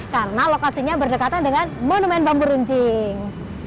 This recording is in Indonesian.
karena lokasinya berdekatan dengan monumen bambu runcing